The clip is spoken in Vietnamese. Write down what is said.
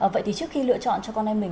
vậy thì trước khi lựa chọn cho con em mình